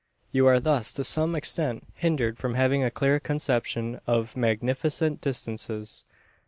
You are thus to some extent hindered from having a clear conception of "magnificent distances."